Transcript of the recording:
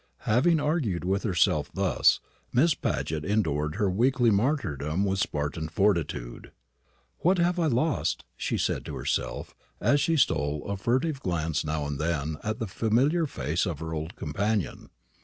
Having argued with herself thus, Miss Paget endured her weekly martyrdom with Spartan fortitude. "What have I lost?" she said to herself, as she stole a furtive glance now and then at the familiar face of her old companion.